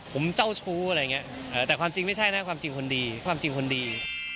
ผมเจ้าชู้อะไรอย่างนี้